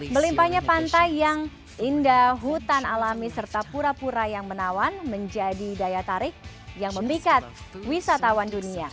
melimpahnya pantai yang indah hutan alami serta pura pura yang menawan menjadi daya tarik yang memikat wisatawan dunia